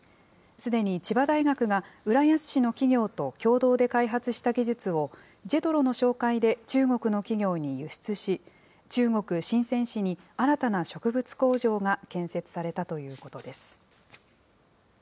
すでに千葉大学が浦安市の企業と共同で開発した技術を、ジェトロの紹介で中国の企業に輸出し、中国・深セン市に新たな植物工場が建設されたということです。